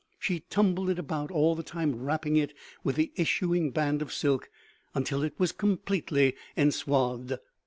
She tumbled it about, all the time wrapping it with the issuing band of silk, until it was completely enswathed.